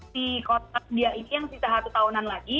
si kontak dia itu yang sisa satu tahunan lagi